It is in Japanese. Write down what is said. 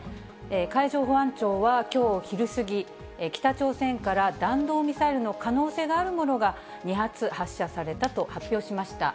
海上保安庁はきょう昼過ぎ、北朝鮮から弾道ミサイルの可能性があるものが２発発射されたと発表しました。